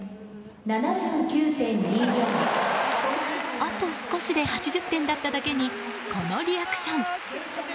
あと少しで８０点だっただけにこのリアクション。